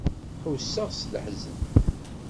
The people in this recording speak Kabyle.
Ḥusseɣ s leḥzen.